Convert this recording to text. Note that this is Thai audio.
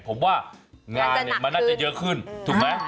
ผมว่างานเนี่ยมันน่าจะเยอะขึ้นถูกไหม